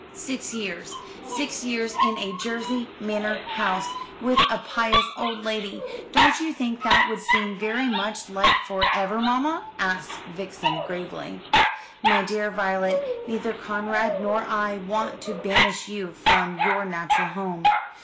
"Six years six years in a Jersey manor house with a pious old lady. Don't you think that would seem very much like for ever, mamma?" asked Vixen gravely. "My dear Violet, neither Conrad nor I want to banish you from your natural home.